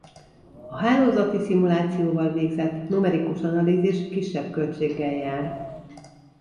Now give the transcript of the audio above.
A hálózati szimulációval végzett numerikus analízis kisebb költséggel jár.